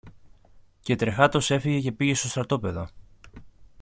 Και τρεχάτος έφυγε και πήγε στο στρατόπεδο.